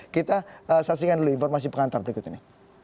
kita saksikan dulu informasi pengantar berikut ini